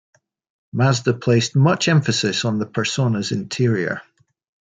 Mazda placed much emphasis on the Persona's interior.